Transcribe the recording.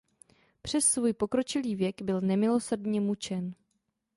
Přes svůj pokročilý věk byl nemilosrdně mučen.